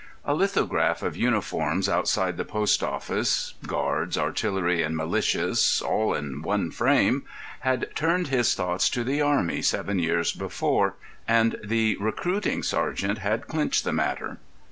A lithograph of uniforms outside the post office (guards, artillery, and militia, all in one frame) had turned his thoughts to the Army seven years before, and the recruiting sergeant had clinched the matter.